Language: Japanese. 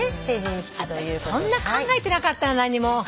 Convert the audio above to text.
私そんな考えてなかったな何にも。